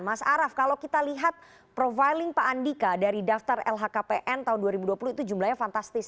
mas araf kalau kita lihat profiling pak andika dari daftar lhkpn tahun dua ribu dua puluh itu jumlahnya fantastis